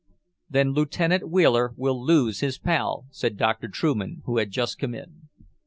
"Then Lieutenant Wheeler will lose his pal," said Dr. Trueman, who had just come in.